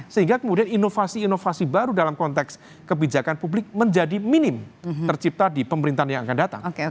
sehingga kemudian inovasi inovasi baru dalam konteks kebijakan publik menjadi minim tercipta di pemerintahan yang akan datang